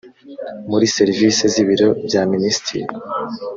muri serivisi z ibiro bya minisitiri